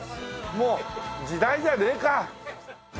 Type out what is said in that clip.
もう時代じゃねえか。